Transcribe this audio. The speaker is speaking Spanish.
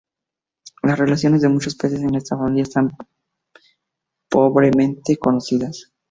Las relaciones de muchos peces en esta familia están pobremente conocidas.